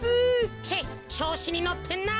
チェッちょうしにのってんなあ。